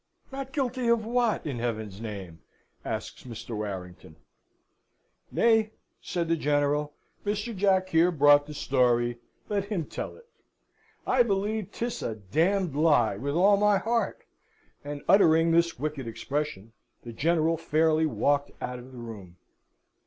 "Not guilty of what, in heaven's name?" asks Mr. Warrington. "Nay," said the General, "Mr. Jack, here, brought the story. Let him tell it. I believe 'tis a lie, with all my heart." And uttering this wicked expression, the General fairly walked out of the room.